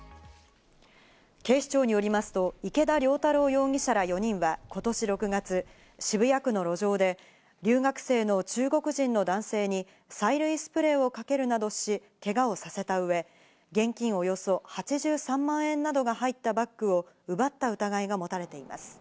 警視庁によりますと、池田燎太朗容疑者ら４人はことし６月、渋谷区の路上で、留学生の中国人の男性に催涙スプレーをかけるなどし、けがをさせたうえ、現金およそ８３万円などが入ったバッグを奪った疑いが持たれています。